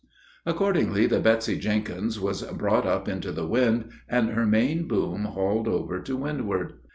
Accordingly, the Betsy Jenkins was brought up into the wind, and her main boom hauled over to windward.